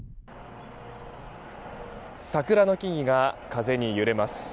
桜の木々が風に揺れます。